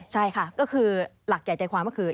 ใช่ค่ะก็คือหลักแก่ใจความก็คือ